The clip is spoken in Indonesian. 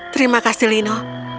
terima kasih lino